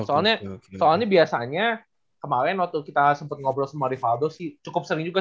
soalnya soalnya biasanya kemarin waktu kita sempat ngobrol sama rivaldo sih cukup sering juga